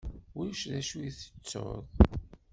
Ulac d acu i tettuḍ?